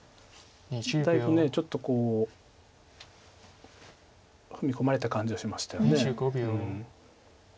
だいぶちょっと踏み込まれた感じはしましたよね。